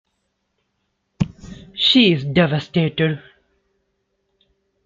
She is devastated.